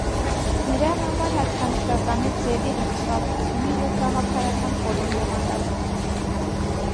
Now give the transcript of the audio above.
Նրա համար հատկանշական է ձևի հղկվածությունը և գաղափարական խորին բովանդակությունը։